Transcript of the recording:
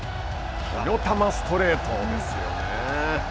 火の玉ストレートですよね。